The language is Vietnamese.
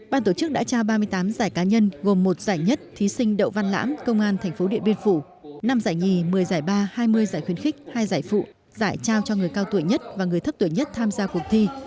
ban tổ chức đã trao ba mươi tám giải cá nhân gồm một giải nhất thí sinh đậu văn lãm công an tp điện biên phủ năm giải nhì một mươi giải ba hai mươi giải khuyến khích hai giải phụ giải trao cho người cao tuổi nhất và người thấp tuổi nhất tham gia cuộc thi